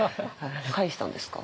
返したんですか？